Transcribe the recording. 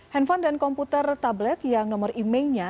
handphone dan komputer tablet yang nomor e mailnya